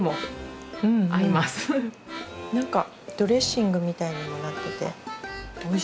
何かドレッシングみたいにもなってておいしい。